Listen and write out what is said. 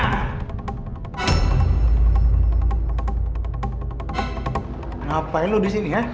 kenapa lo disini ya